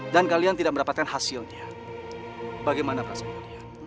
dan kalian tidak mendapatkan hasilnya bagaimana rasanya